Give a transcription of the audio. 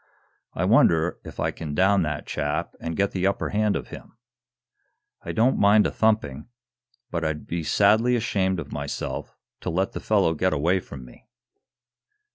I wonder if I can down that chap and get the upper hand of him? I don't mind a thumping, but I'd be sadly ashamed of myself to let the fellow get away from me."